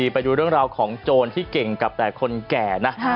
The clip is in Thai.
ไปดูเรื่องราวของโจรที่เก่งกับแต่คนแก่นะ